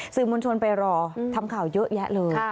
ซึมวันชนไปรอทำข่าวยเยอะแยะเลย